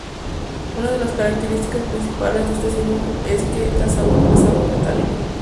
Una de las características principales de este síndrome es que se detecta sabor metálico.